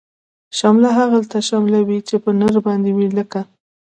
شمله هغلته شمله وی، چه په نرباندی وی لکه